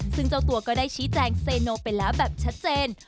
ซึ่งเจ้าตัวก็ได้ชี้แจงเซโนไปแล้วแบบชัดเจน